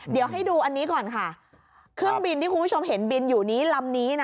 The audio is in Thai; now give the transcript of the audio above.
เดี๋ยวให้ดูอันนี้ก่อนค่ะเครื่องบินที่คุณผู้ชมเห็นบินอยู่นี้ลำนี้นะ